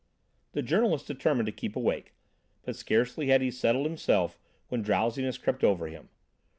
The journalist determined to keep awake, but scarcely had he settled himself when drowsiness crept over him.